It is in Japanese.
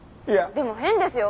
でも変ですよ。